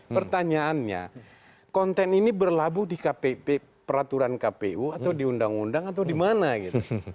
pertanyaannya konten ini berlabuh di kpp peraturan kpu atau di undang undang atau di mana gitu